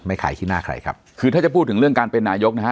ใครขี้หน้าใครครับคือถ้าจะพูดถึงเรื่องการเป็นนายกนะฮะ